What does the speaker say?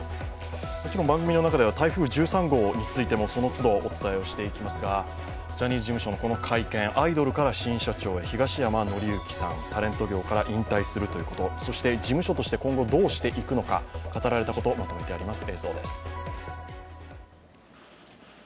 もちろん番組の中では台風１３号についてもそのつどお伝えしていきますがジャニーズ事務所のこの会見、アイドルから新社長へ、東山紀之さん、タレント業から引退するということ、そして事務所として今後どうしていくのか語られたことをまとめてあります。